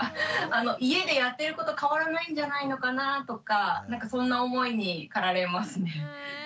家でやってること変わらないんじゃないのかなあとかそんな思いにかられますね。